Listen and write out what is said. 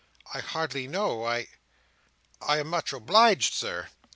"I hardly know—I—I am much obliged, Sir."